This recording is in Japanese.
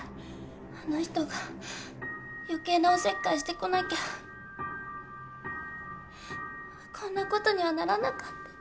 あの人が余計なおせっかいしてこなきゃこんな事にはならなかった。